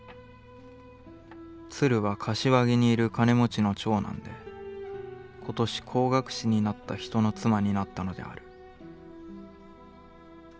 鶴は柏木にいる金持の長男で、今年工学士になった人の妻になったのである」。